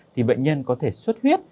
thì bệnh nhân có thể suất huyết